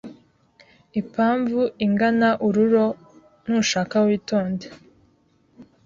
Ipamvu ingana ururo nushaka witonde